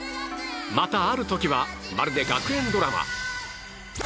またある時はまるで学園ドラマ。